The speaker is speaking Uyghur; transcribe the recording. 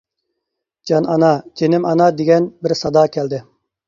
جان ئانا، جېنىم ئانا دېگەن بىر سادا كەلدى.